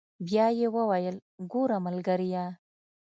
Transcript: بيا يې وويل ګوره ملګريه.